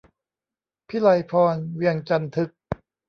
พิไลพร เวียงจันทึก